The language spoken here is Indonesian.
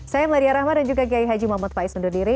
saya meladia rahma dan juga kiai haji muhammad faiz undur diri